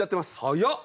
早っ！